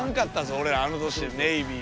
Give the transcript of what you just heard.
俺あの年でネイビーは。